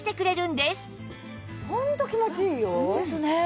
ホント気持ちいいよ。ですね。